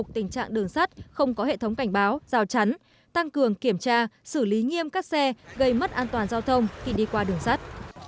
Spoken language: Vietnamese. trước tình trạng đường sắt không có hệ thống cảnh báo giao chắn tăng cường kiểm tra xử lý nghiêm các xe gây mất an toàn giao thông khi đi qua đường sắt